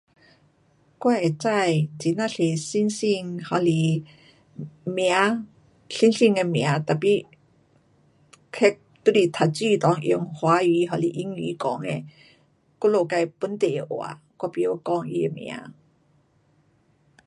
我会知很呀多星星还是名，星星的名，tapi 那都是读书内用华语还是英语讲的，我们自本地的话，我不会讲它的名。